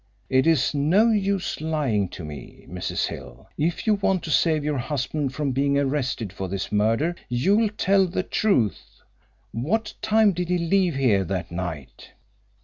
It is no use lying to me, Mrs. Hill. If you want to save your husband from being arrested for this murder you'll tell the truth. What time did he leave here that night?"